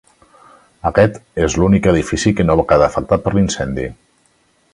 Aquest és l'únic edifici que no va quedar afectat per l'incendi.